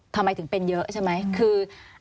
ทำไมถึงเป็นเยอะใช่ไหมคือ